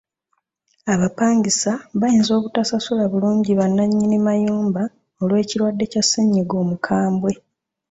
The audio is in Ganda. Abapangisa bayinza obutasasula bulungi ba nannyini mayumba olw'ekirwadde kya ssennyiga omukambwe.